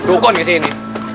tuh koneksi ini